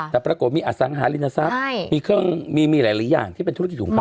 แต่ปรากฏมีอสังหารินทรัพย์มีเครื่องมีหลายอย่างที่เป็นธุรกิจของเขา